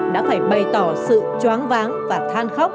đã phải bày tỏ sự choáng váng và than khóc